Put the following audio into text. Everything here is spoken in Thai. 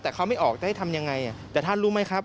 แต่เขาไม่ออกจะให้ทำยังไงแต่ท่านรู้ไหมครับ